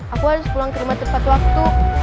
aku harus pulang ke rumah tepat waktu